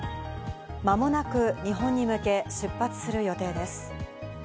間もなく日本に向け、出発する予定です。